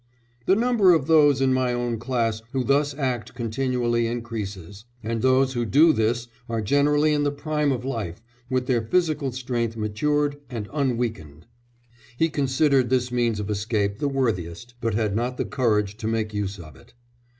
"The number of those in my own class who thus act continually increases, and those who do this are generally in the prime of life, with their physical strength matured and unweakened." He considered this means of escape the worthiest, but had not the courage to make use of it.